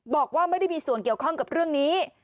บอกว่าไม่ได้มีส่วนเกี่ยวข้องกับเรื่องนี้